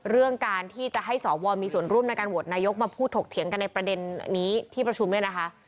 เรื่องการที่จะให้สวมีส่วนร่วมในการโหวตนายกมาพูดถกเถียงกันในประเด็นนี้ที่ประชุมเนี่ยนะคะ